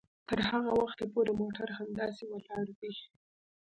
تر هغه وخته پورې موټر همداسې ولاړ وي